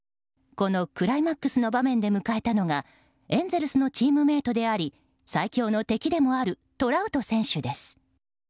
このクライマックスの場面で迎えたのがエンゼルスのチームメートであり最強の敵でもあるトラウト選手です。